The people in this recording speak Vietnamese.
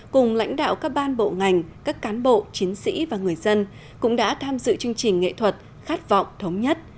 cùng lãnh đạo các ban bộ ngành các cán bộ chiến sĩ và người dân cũng đã tham dự chương trình nghệ thuật khát vọng thống nhất